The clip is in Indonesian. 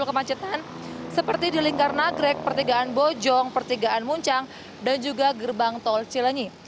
kemacetan seperti di lingkar nagrek pertigaan bojong pertigaan muncang dan juga gerbang tol cilenyi